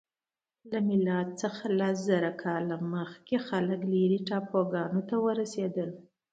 له میلاد څخه تر لس زره کاله مخکې خلک لیرې ټاپوګانو ته ورسیدل.